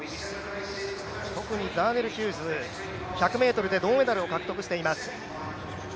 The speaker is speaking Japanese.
特にザーネル・ヒューズ１００ｍで銅メダルを獲得しています。